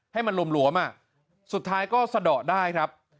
ให้มันหลวมสุดท้ายก็สะดอกได้ครับ